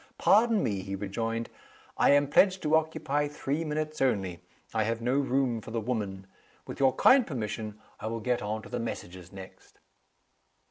"Pardon me," he rejoined; "I am pledged to occupy three minutes only. I have no room for the woman. With your kind permission, I will get on to the messages next."